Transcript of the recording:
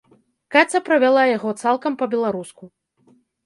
Каця правяла яго цалкам па-беларуску.